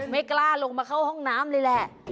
ไม่กล้าลงมาเข้าห้องน้ำเลยแหละ